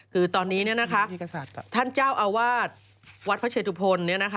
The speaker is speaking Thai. คือตอนนี้ท่านเจ้าอาวาสวัดพระเชตุพล